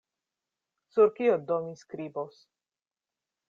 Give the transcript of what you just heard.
Sur kio do mi skribos?